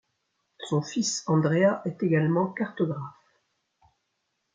Son fils Andrea est également cartographe.